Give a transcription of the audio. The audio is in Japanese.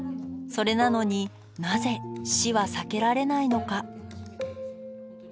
それなのになぜ死は避けられないのか。